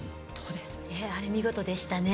あれ見事でしたね。